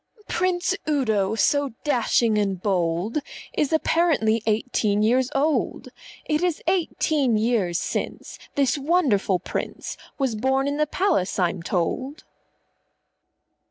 "Prince Udo, so dashing and bold, Is apparently eighteen years old. It is eighteen years since This wonderful Prince _Was born in the Palace, I'm told.